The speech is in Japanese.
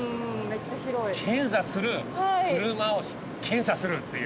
検査する車を検査するっていう。